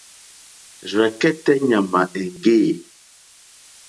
Rzɛ̀kɛ́tɛ́ ɲàmà èŋɡê.